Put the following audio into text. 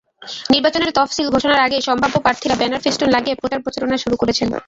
নির্বাচনের তফসিল ঘোষণার আগেই সম্ভাব্য প্রার্থীরা ব্যানার–ফেস্টুন লাগিয়ে প্রচার-প্রচারণা শুরু করেছেন।